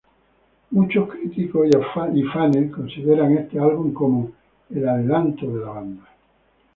Muchos críticos y fanes consideran este álbum como el "adelanto" de la banda.